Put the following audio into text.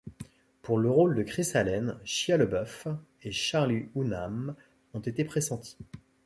Pour le rôle de Chris Allen, Shia LaBeouf et Charlie Hunnam ont été pressentis.